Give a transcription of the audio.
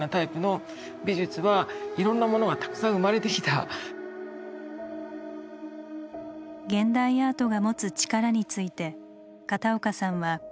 現代アートが持つ力について片岡さんはこう言います。